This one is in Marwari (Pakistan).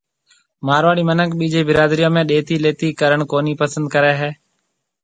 مارواڙِي مِنک ٻيجي برادريون ۾ ڏيتي ليَتي ڪرڻ ڪونِي پسند ڪرَي